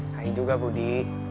hai juga budi